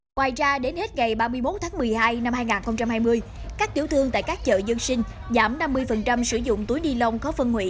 ngoài ra đến hết ngày ba mươi một tháng một mươi hai năm hai nghìn hai mươi các tiểu thương tại các chợ dân sinh giảm năm mươi sử dụng túi ni lông khó phân hủy